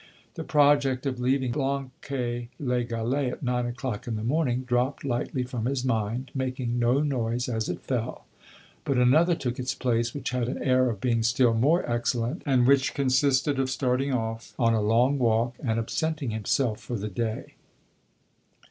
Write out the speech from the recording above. The project of leaving Blanquais les Galets at nine o'clock in the morning dropped lightly from his mind, making no noise as it fell; but another took its place, which had an air of being still more excellent and which consisted of starting off on a long walk and absenting himself for the day.